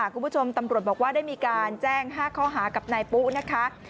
คุณผู้ชมตำรวจบอกว่าได้มีการแจ้ง๕ข้อหากับนายปุ๊นะคะ